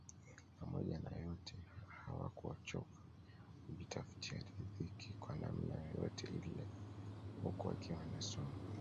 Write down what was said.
Pamoja na yote hawakuchoka kujitafutia ridhiki kwa namna yoyote ile huku wakiwa wanasoma